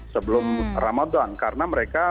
sebelum ramadan karena mereka